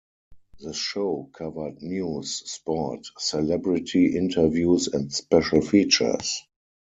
The show covered news, sport, celebrity interviews and special features.